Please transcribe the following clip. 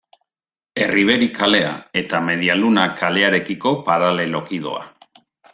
Erriberri kalea eta Media Luna kalearekiko paraleloki doa.